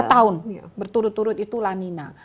dua tahun berturut turut itu lanina